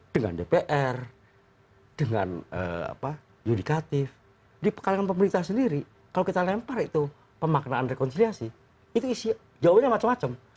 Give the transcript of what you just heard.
dengan dpr dengan judikatif di kalangan pemerintah sendiri kalau kita lempar itu pemaknaan rekonisiasi itu jawabannya macem macem